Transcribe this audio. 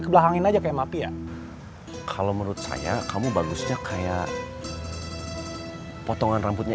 kebelakangin aja kayak mafia kalau menurut saya kamu bagusnya kayak potongan rambutnya